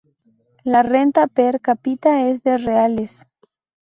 La Renta per cápita es de reales.